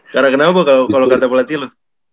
karena kenapa kalo kata pelatih lo